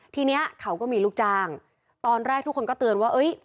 ทีนี้เขาก็มีลูกจ้างตอนแรกทุกคนก็เตือนว่าเอ้ย